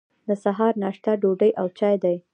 د سهار ناشته ډوډۍ او چای دی.